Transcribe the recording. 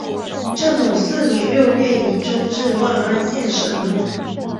正统四年六月以州治万安县省入。